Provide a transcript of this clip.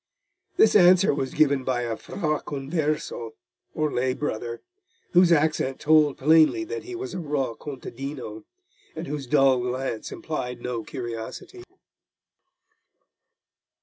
This answer was given by a fra converso, or lay brother, whose accent told plainly that he was a raw contadino, and whose dull glance implied no curiosity.